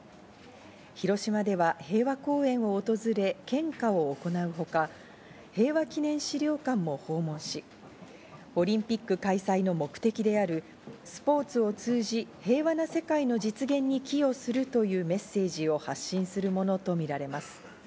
広島では平和公園を訪れ献花を行うほか、平和記念資料館も訪問し、オリンピック開催の目的であるスポーツを通じ、平和な世界の実現に寄与するというメッセージを発信するものとみられます。